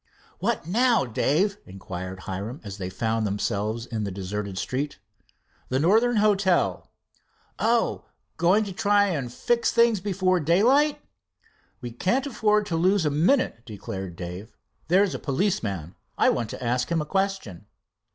"What now, Dave?" inquired Hiram, as they found themselves in the deserted street. "The Northern Hotel." "Oh, going to try and fix things before daylight?" "We can't afford to lose a minute," declared Dave. "There's a policeman. I want to ask him a question."